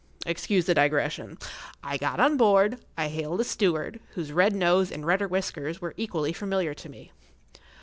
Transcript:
Excuse the digression. I got on board. I hailed a steward, whose red nose and redder whiskers were equally familiar to me.